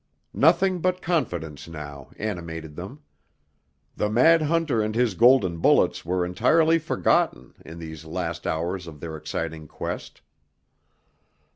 Nothing but confidence now animated them. The mad hunter and his golden bullets were entirely forgotten in these last hours of their exciting quest.